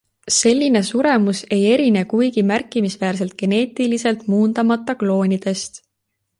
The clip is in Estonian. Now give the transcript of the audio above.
Selline suremus ei erine kuigi märkimisväärselt geneetiliselt muundamata kloonidest.